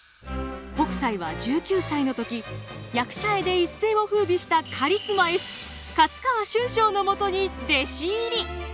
北斎は１９歳の時役者絵で一世を風靡したカリスマ絵師勝川春章のもとに弟子入り！